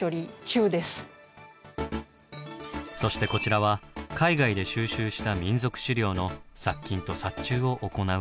そしてこちらは海外で収集した民族資料の殺菌と殺虫を行う設備。